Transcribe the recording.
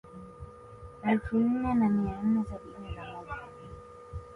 Elfu nne na mia nne sabini na moja